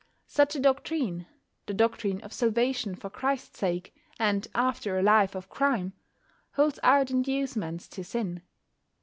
Such a doctrine the doctrine of Salvation for Christ's sake, and after a life of crime holds out inducements to sin.